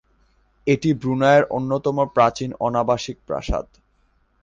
এটি ব্রুনাইয়ের অন্যতম প্রাচীন অনাবাসিক প্রাসাদ।